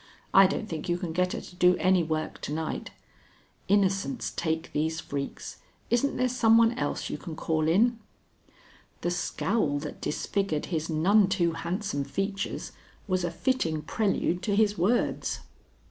I don't think you can get her to do any work to night. Innocents take these freaks. Isn't there some one else you can call in?" The scowl that disfigured his none too handsome features was a fitting prelude to his words.